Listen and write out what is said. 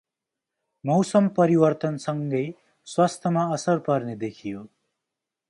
मौसम परिवर्तन सङ्गै, स्वास्थमा असर पर्ने देखियो ।